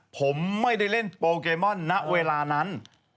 ผมไม่ได้เล่นโปเกมอนณเวลานั้น